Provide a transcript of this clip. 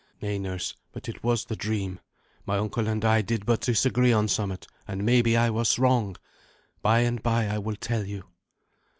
"Nay, nurse, but it was the dream. My uncle and I did but disagree on somewhat, and maybe I was wrong. By and by I will tell you."